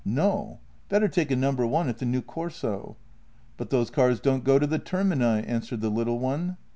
" No; better take a No. 1 at the new Corso." " But those cars don't go to the Termini," answered the little one.